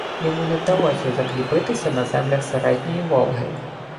Йому не вдалося закріпитися на землях середньої Волги